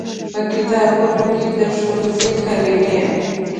په کتابونو کې د ښوونځي کلمې